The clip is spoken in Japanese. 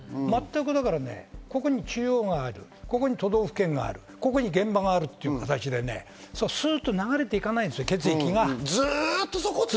ここに中央がある、都道府県がある、ここに現場があるという形で、スっと流れていかないんですよ、血液が。